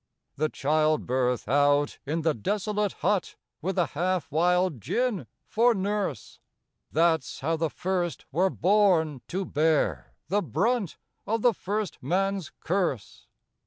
The childbirth out in the desolate hut With a half wild gin for nurse That's how the first were born to bear The brunt of the first man's curse!